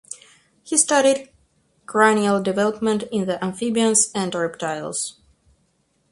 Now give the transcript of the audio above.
He studied cranial development in the amphibians and reptiles.